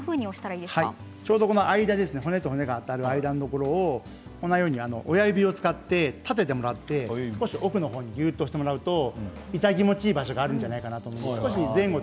骨と骨が当たる間のところを親指を使って奥の方にぎゅっと押してもらうと痛気持ちいい場所があるんじゃないかと思います。